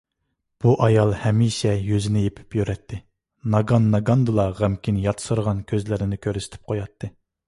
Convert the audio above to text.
بۇ ئايال ھەمىشە يۈزىنى يېپىپ يۈرەتتى. ناگان - ناگاندىلا غەمكىن ياتسىرىغان كۆزلىرىنى كۆرسىتىپ قوياتتى.